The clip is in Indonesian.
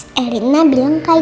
tak mungkin cuma scam